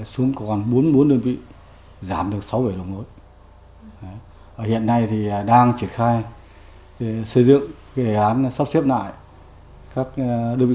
xuống còn bốn mươi bốn đơn vị giảm được sáu bảy hiện nay thì đang triển khai xây dựng đề án sắp xếp lại các đơn vị sự